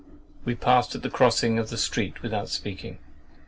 We passed at the crossing of the street without speaking.